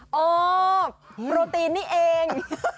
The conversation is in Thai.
อ๋อโปรตีนนี่เอง